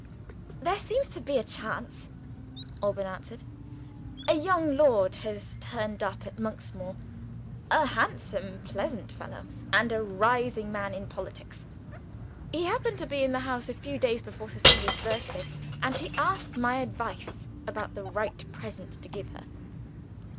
"There seems to be a chance," Alban answered. "A young lord has turned up at Monksmoor; a handsome pleasant fellow, and a rising man in politics. He happened to be in the house a few days before Cecilia's birthday; and he asked my advice about the right present to give her.